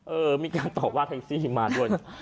เออมีการตอบว่าแท็กซี่มาด้วย